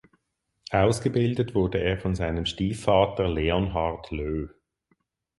Ausgebildet wurde er von seinem Stiefvater Leonhard Löw.